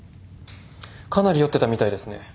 かなり酔ってたみたいですね。